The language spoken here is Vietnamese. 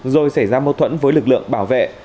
rồi xảy ra mâu thuẫn với lực lượng bảo vệ